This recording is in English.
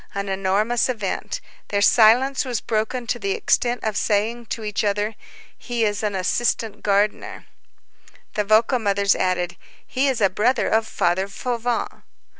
An enormous event. Their silence was broken to the extent of saying to each other: "He is an assistant gardener." The vocal mothers added: "He is a brother of Father Fauvent."